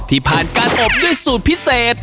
ที่ผ่านการอบด้วยสูตรพิเศษ